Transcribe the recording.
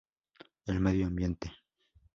El medio ambiente.